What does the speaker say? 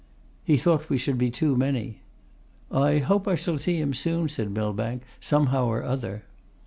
'He thought we should be too many.' 'I hope I shall see him soon,' said Millbank, 'somehow or other.